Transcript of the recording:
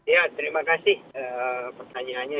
ya terima kasih pertanyaannya